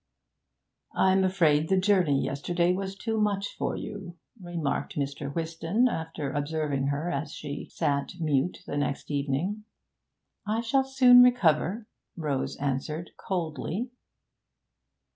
'I'm afraid the journey yesterday was too much for you,' remarked Mr. Whiston, after observing her as she sat mute the next evening. 'I shall soon recover,' Rose answered coldly.